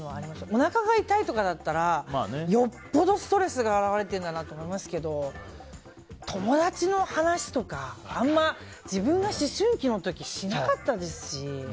おなかが痛いとかだったらよっぽどストレスがあるんだなと思いますけど、友達の話とか自分が思春期の時はあまりしなかったですしね。